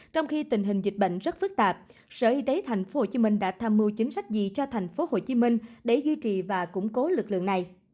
trong khi tình hình dịch bệnh rất phức tạp sở y tế thành phố hồ chí minh đã tham mưu chính sách gì cho thành phố hồ chí minh để duy trì và củng cố lực lượng này